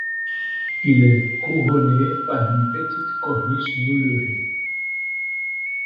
Il est couronné par une petite corniche moulurée.